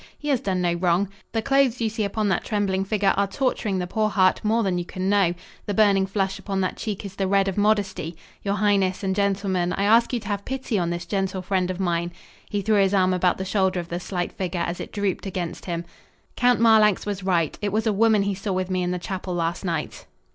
He has done no wrong. The clothes you see upon that trembling figure are torturing the poor heart more than you can know. The burning flush upon that cheek is the red of modesty. Your highness and gentlemen, I ask you to have pity on this gentle friend of mine." He threw his arm about the shoulder of the slight figure as it drooped against him. "Count Marlanx was right. It was a woman he saw with me in the chapel last night."